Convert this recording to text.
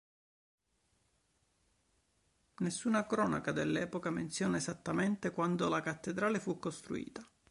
Nessuna cronaca dell'epoca menziona esattamente quando la cattedrale fu costruita.